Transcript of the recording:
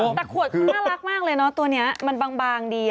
แต่ขวดคือน่ารักมากเลยเนอะตัวนี้มันบางดี